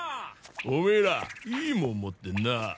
オメエらいいもん持ってんな。